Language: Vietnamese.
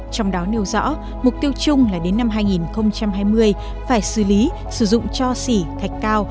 trong đó nêu rõ mục tiêu chung là đến năm hai nghìn hai mươi phải xử lý sử dụng cho xỉ thạch cao